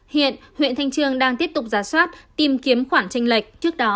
hiện huyện thanh trương đang tiếp tục giả soát tìm kiếm khoản tranh lệch